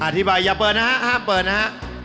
อธิบายอย่าเปิดนะฮะห้ามเปิดนะฮะ